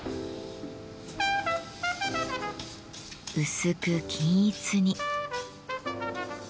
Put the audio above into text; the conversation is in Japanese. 薄く均一に。